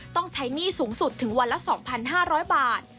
ต้องใช้หนี้สูงสุดถึงวันละ๒๕๐๐บาท